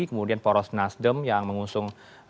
kemudian poros nasdem yang mengusung nanti isunya